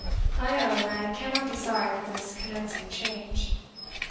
I own, I cannot be sorry for this commencing change.